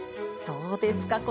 どうですか？